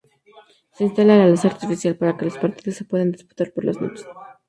Se instala luz artificial para que los partidos se puedan disputar por las noches.